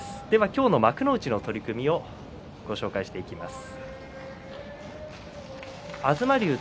今日の幕内の取組をご紹介していきます。